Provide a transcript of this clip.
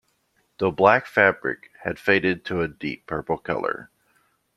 The black fabric had faded to a deep purple colour.